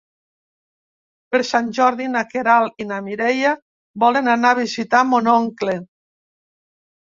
Per Sant Jordi na Queralt i na Mireia volen anar a visitar mon oncle.